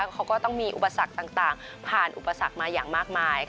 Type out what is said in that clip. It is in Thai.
เขาก็ต้องมีอุปสรรคต่างผ่านอุปสรรคมาอย่างมากมาย